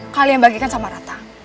kalian bagikan sama rata